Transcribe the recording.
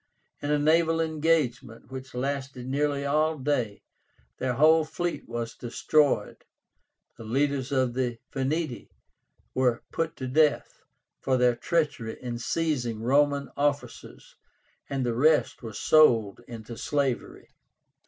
In a naval engagement, which lasted nearly all day, their whole fleet was destroyed. The leaders of the Veneti were put to death for their treachery in seizing Roman officers, and the rest were sold into slavery.